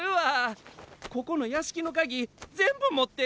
ここのやしきのかぎぜんぶもってるんや。